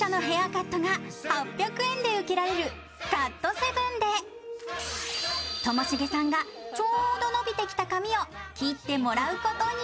カットが８００円で受けられるカットセブンでともしげさんがちょうど伸びてきた髪を切ってもらうことに。